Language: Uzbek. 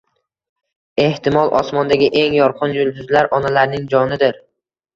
Ehtimol, osmondagi eng yorqin yulduzlar onalarning jonidir.